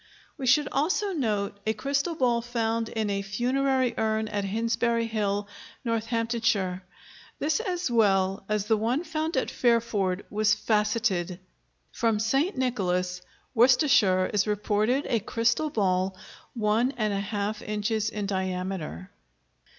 We should also note a crystal ball found in a funerary urn at Hinsbury Hill, Northamptonshire; this as well as the one found at Fairford was facetted. From St. Nicholas, Worcestershire, is reported a crystal ball 1½ inches in diameter.